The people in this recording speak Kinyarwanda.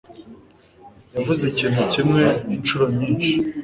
Yavuze ikintu kimwe inshuro nyinshi.